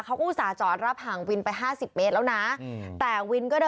เขาอุตส่าห์จอดรับหางวินไป๕๐เมตรแล้วนะ